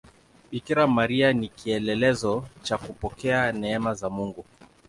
Bikira Maria ni kielelezo cha kupokea neema za Mungu.